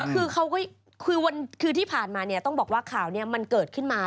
คือที่ผ่านมาเนี่ยต้องบอกว่าข่าวนี้มันเกิดขึ้นมา